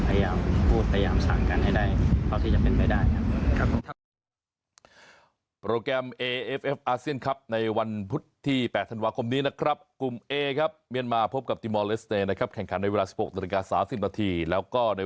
พยายามพูดพยายามสั่งกันให้ได้